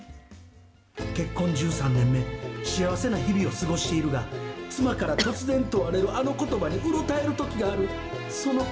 結婚１３年目、幸せな日々を過ごしているが、妻から突然言われるあのことばにうろたえるときがある。